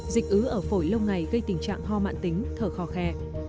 dịch ứ ở phổi lâu ngày gây tình trạng ho mạn tính thở khó khè